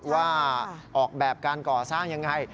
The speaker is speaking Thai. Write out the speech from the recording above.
ว่าออกแบบการก่อสร้างยังไง